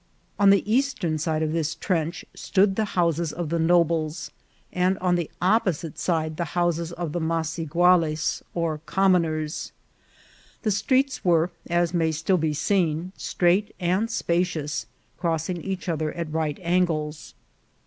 On the eastern side of this trench stood the houses of the nobles, and on the opposite side the houses of the maseguales or commoners. The streets were, as may still be seen, straight and spacious, crossing each other at right angles.